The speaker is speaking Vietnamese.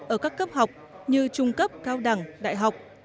ở các cấp học như trung cấp cao đẳng đại học